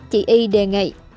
chị y đề nghị